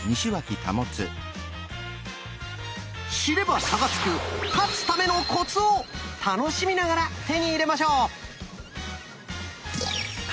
知れば差がつく「勝つためのコツ」を楽しみながら手に入れましょう！